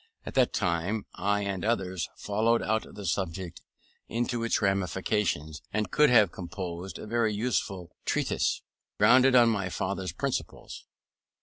At that time I and others followed out the subject into its ramifications, and could have composed a very useful treatise, grounded on my father's principles.